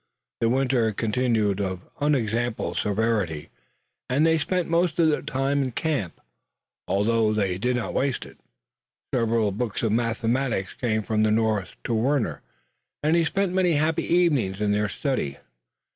The winter continued of unexampled severity, and they spent most of the time in camp, although they did not waste it. Several books of mathematics came from the North to Warner and he spent many happy evenings in their study.